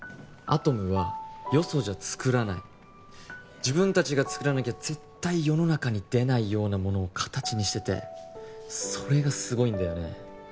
アトムはよそじゃ作らない自分達が作らなきゃ絶対世の中に出ないようなものを形にしててそれがすごいんだよね